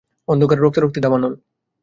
অন্ধকার, রক্তারক্তি, দাবানল।